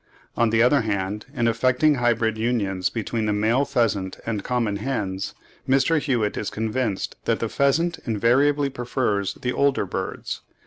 On the other hand, in effecting hybrid unions between the male pheasant and common hens, Mr. Hewitt is convinced that the pheasant invariably prefers the older birds.